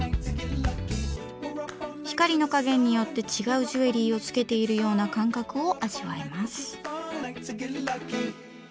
光の加減によって違うジュエリーをつけているような感覚を味わえます。